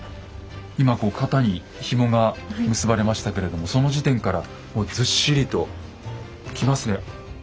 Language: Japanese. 今こう肩にひもが結ばれましたけれどもその時点からもうずっしりときますね。